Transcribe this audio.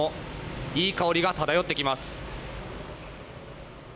いい香りが漂ってきます。